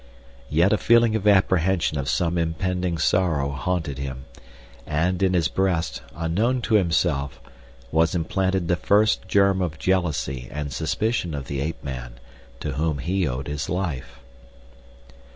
Yet a feeling of apprehension of some impending sorrow haunted him, and in his breast, unknown to himself, was implanted the first germ of jealousy and suspicion of the ape man, to whom he owed his life.